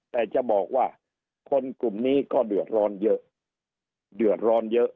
แต่จะบอกว่าคนกลุ่มนี้ก็เดือดร้อนเยอะ